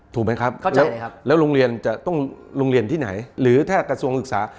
ถูกไหมครับแล้วโรงเรียนจะต้องโรงเรียนที่ไหนหรือถ้ากระทรวงศึกษา